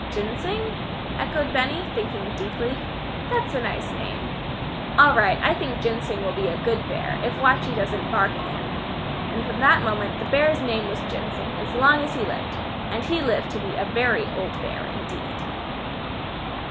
'" "Ginseng?" echoed Benny, thinking deeply. "That's a nice name. All right, I think Ginseng will be a good bear, if Watchie doesn't bark at him." And from that moment the bear's name was Ginseng as long as he lived, and he lived to be a very old bear indeed.